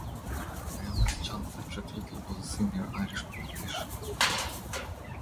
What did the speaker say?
Their youngest child Patrick Little was a senior Irish politician.